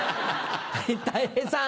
はいたい平さん。